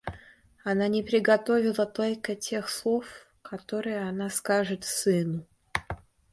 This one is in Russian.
Она не приготовила только тех слов, которые она скажет сыну.